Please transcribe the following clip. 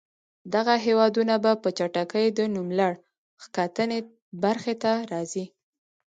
دغه هېوادونه به په چټکۍ د نوملړ ښکتنۍ برخې ته راځي.